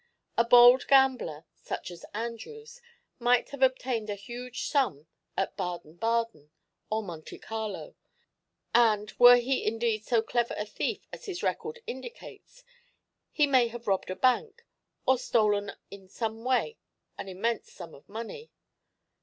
A bold gambler, such as Andrews, might have obtained a huge sum at Baden Baden or Monte Carlo; and, were he indeed so clever a thief as his record indicates, he may have robbed a bank, or stolen in some way an immense sum of money.